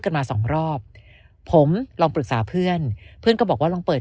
กันมาสองรอบผมลองปรึกษาเพื่อนเพื่อนก็บอกว่าลองเปิด